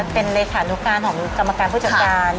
เป็นเลขานุการของกรรมการผู้จัดการ